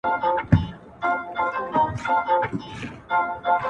څو؛ د ژوند په دې زوال کي کړې بدل~